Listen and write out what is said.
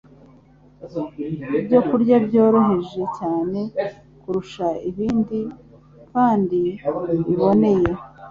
ibyokurya byoroheje cyane kurusha ibindi kandi biboneye.